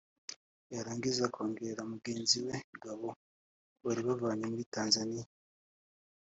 yarangiza akongorera mugenzi we Gabo bari bavanye muri Tanzania